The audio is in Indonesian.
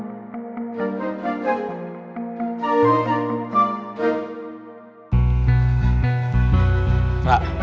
jangan berpikir pikir aja lo